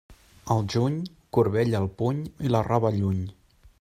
Al juny, corbella al puny i la roba lluny.